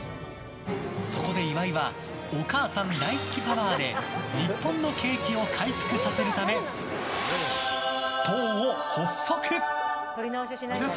そこで、岩井はお母さん大好きパワーで日本の景気を回復させるため党を発足！